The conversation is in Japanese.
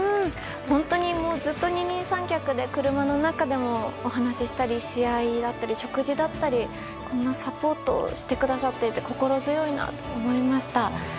本当に、ずっと二人三脚で車の中でもお話したり試合だったり食事だったりのサポートをしてくださっていて心強いなと思いました。